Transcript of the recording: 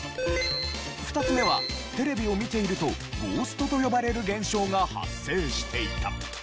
２つ目はテレビを見ているとゴーストと呼ばれる現象が発生していた。